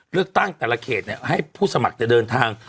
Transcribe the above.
เลือกตั้งแต่ละเขตให้ผู้สมัครจะเดินทาง